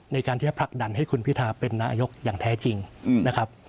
ในการที่จะผลักดันให้คุณพิทาเป็นนายกอย่างแท้จริงนะครับ